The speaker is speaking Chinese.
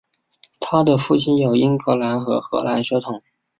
她的父亲有英格兰和荷兰血统。